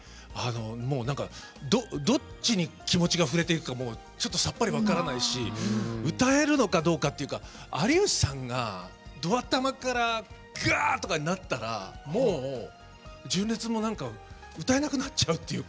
もう、どっちに気持ちが振れていくかちょっと、さっぱり分からないし歌えるのかどうかっていうか有吉さんが、ど頭からぐわーとかなったらもう、純烈も歌えなくなっちゃうというか。